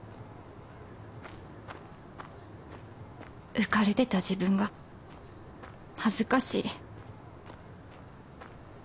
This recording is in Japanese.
浮かれてた自分が恥ずかしい